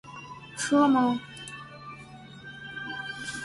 吃了吗